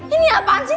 ini apaan sih